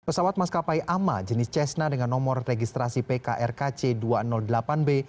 pesawat maskapai ama jenis cessna dengan nomor registrasi pkrkc dua ratus delapan b